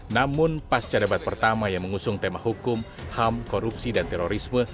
namun pasca debat pertama yang mengusung tema hukum ham korupsi dan terorisme